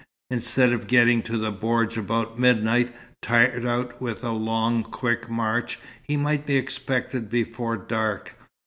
Instead of getting to the bordj about midnight, tired out with a long, quick march, he might be expected before dark.